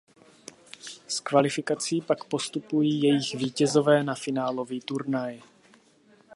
Z kvalifikací pak postupují jejich vítězové na finálový turnaj.